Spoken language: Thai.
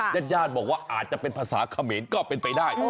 ญาติญาติบอกว่าอาจจะเป็นภาษาเขมรก็เป็นไปได้